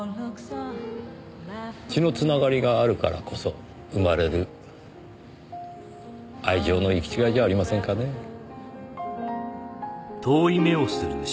血の繋がりがあるからこそ生まれる愛情の行き違いじゃありませんかねぇ。